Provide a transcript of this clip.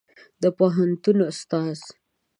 د پوهنتون استاد